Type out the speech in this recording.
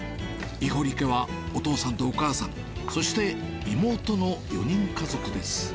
菴家はお父さんとお母さん、そして妹の４人家族です。